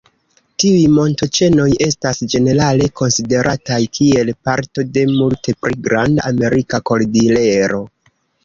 Tiuj montoĉenoj estas ĝenerale konsiderataj kiel parto de multe pli granda Amerika kordilero.